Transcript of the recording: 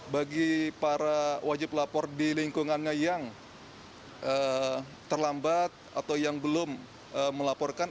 bagi para wajib lapor di lingkungannya yang terlambat atau yang belum melaporkan